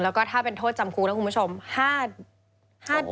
แล้วก็ถ้าเป็นโทษจำคุกนะคุณผู้ชม